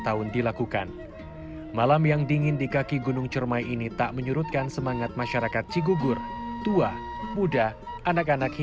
ada yang dari kalimantan dari pulau wesi